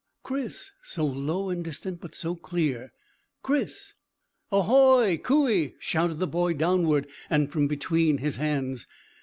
"Chris!" So low and distant, but so clear. "Chris!" "Ahoy! Coo ee!" shouted the boy downward, and from between his hands.